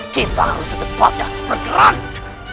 kita harus berdebat dan bergerak